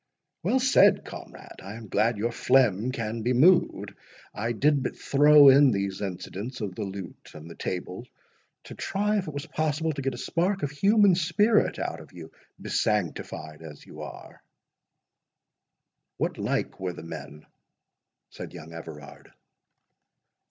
"Well said, comrade—I am glad your phlegm can be moved. I did but throw in these incidents of the lute and the table, to try if it was possible to get a spark of human spirit out of you, besanctified as you are." "What like were the men?" said young Everard.